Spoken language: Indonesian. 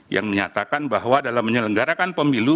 yang menyatakan bahwa dalam menyelenggarakan pemilu